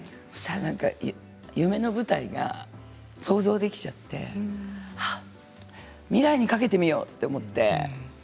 夢の舞台が想像できてしまって未来に懸けてみようと思って。